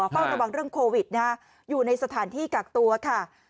เฝ้าระวังเรื่องโควิดอยู่ในสถานที่กักตัวค่ะ